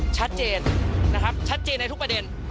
ชัดเจนนะครับชัดเจนในทุกประเด็น